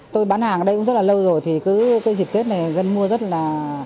tôi bán hàng ở đây cũng rất là lâu rồi thì cứ cái dịp tết này dân mua rất là